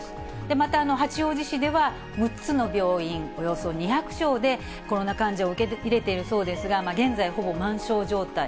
また、八王子市では、６つの病院、およそ２００床でコロナ患者を受け入れているそうですが、現在はほぼ満床状態。